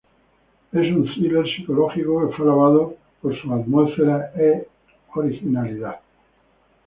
Es un thriller psicológico que fue alabado por su atmósfera y originalidad.